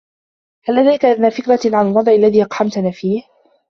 هل لديك أدنى فكرة عن الوضع الذي أقحمتنا فيه ؟